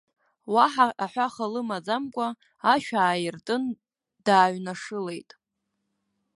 Уаҳа аҳәаха лмаӡакәа, ашә ааиртын дааҩнашылеит.